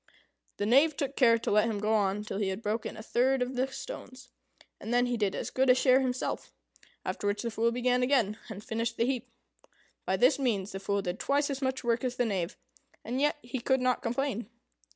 The Knave took care to let him go on till he had broken a third of the stones, and then he did as good a share himself; after which the Fool began again, and finished the heap. By this means the Fool did twice as much work as the Knave, and yet he could not complain.